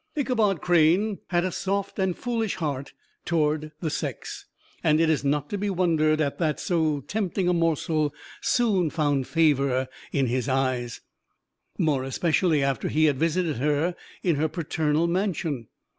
Ichabod Crane had a soft and foolish heart toward the sex; and it is not to be wondered at that so tempting a morsel soon found favor in his eyes, more especially after he had visited her in her paternal mansion.